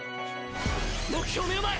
目標、目の前！